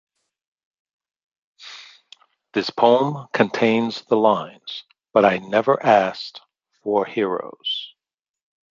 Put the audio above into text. This poem contains the lines But I never asked for heroes.